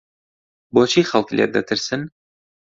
بۆچی خەڵک لێت دەترسن؟